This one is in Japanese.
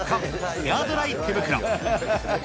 ヘアドライ手袋。